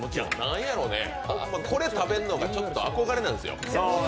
これ食べるのがちょっと憧れなんですよ。